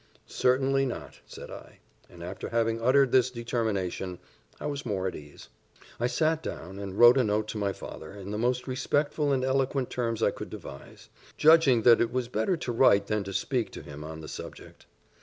"Certainly not," said I; and after having uttered this determination, I was more at ease. I sat down, and wrote a note to my father, in the most respectful and eloquent terms I could devise, judging that it was better to write than to speak to him on the subject.